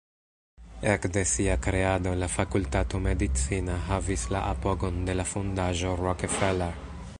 Ekde sia kreado, la Fakultato Medicina havis la apogon de la Fondaĵo Rockefeller.